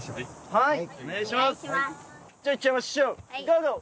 はい。